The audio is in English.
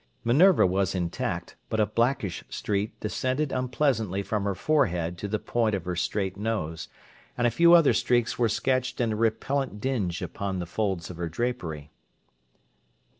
Minerva was intact, but a blackish streak descended unpleasantly from her forehead to the point of her straight nose, and a few other streaks were sketched in a repellent dinge upon the folds of her drapery.